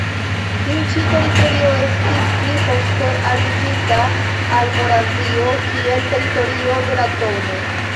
Tiu ĉi teritorio estis pli poste alligita al Moravio kiel teritorio de la tn.